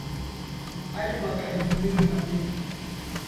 hadi mwaka elfu mbili na mbili